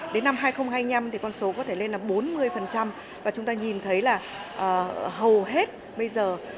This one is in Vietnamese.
đến năm hai nghìn hai mươi năm thì con số có thể lên là bốn mươi và chúng ta nhìn thấy là hầu hết bây giờ